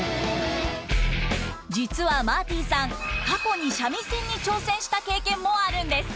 実はマーティさん過去に三味線に挑戦した経験もあるんです。